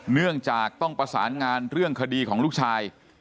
เนื่องจากต้องประสานงานเรื่องคดีของลูกชาย